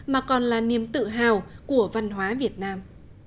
mà còn là niềm tự hào của văn hóa việt nam